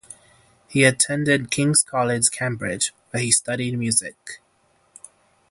He attended King's College, Cambridge, where he studied music.